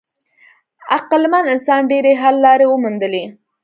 عقلمن انسان ډېرې حل لارې وموندلې.